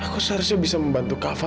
aku seharusnya bisa membantu kak fadil